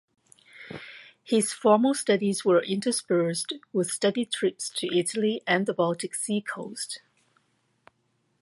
His formal studies were interspersed with study trips to Italy and the Baltic Seacoast.